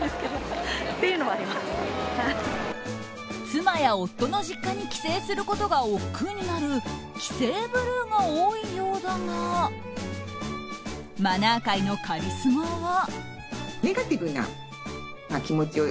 妻や夫の実家に帰省することがおっくうになる帰省ブルーが多いようだがマナー界のカリスマは。